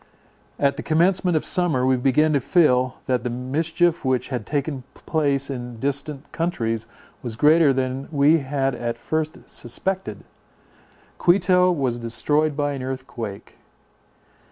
At the commencement of summer, we began to feel, that the mischief which had taken place in distant countries was greater than we had at first suspected. Quito was destroyed by an earthquake.